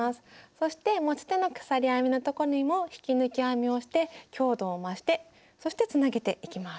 そして持ち手の鎖編みのとこにも引き抜き編みをして強度を増してそしてつなげていきます。